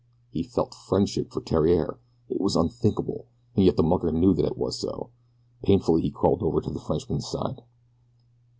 He felt friendship for Theriere! It was unthinkable, and yet the mucker knew that it was so. Painfully he crawled over to the Frenchman's side.